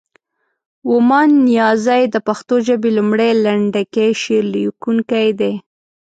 ومان نیازی د پښتو ژبې لومړی، لنډکی شعر لیکونکی دی.